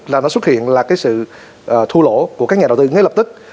là nó xuất hiện là cái sự thu lỗ của các nhà đầu tư ngay lập tức